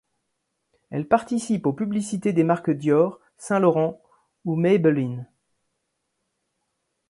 Elle participe aux publicités des marques Dior, Saint Laurent ou Maybelline.